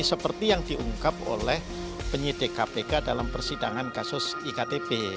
seperti yang diungkap oleh penyidik kpk dalam persidangan kasus iktp